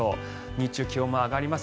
日中気温も上がります。